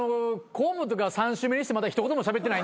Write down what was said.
河本が３週目にしてまだ一言もしゃべってない。